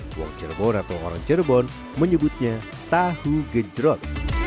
buang cirebon atau orang cirebon menyebutnya tahu genjerot